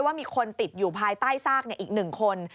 ว่ามีคนติดอยู่ภายใต้ซากอีก๑คน